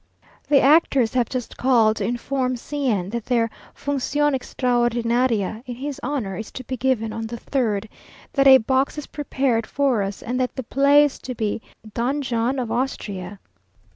The actors have just called to inform C n, that their "función extraordinaria" in his honour, is to be given on the third, that a box is prepared for us, and that the play is to be "Don John of Austria."